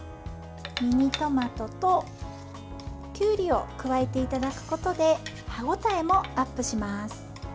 ミニトマトときゅうりを加えていただくことで歯応えもアップします。